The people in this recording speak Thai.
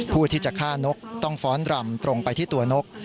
ผู้ที่จะฆ่านกต้องฟ้อนรำตรงไปที่ตัวนก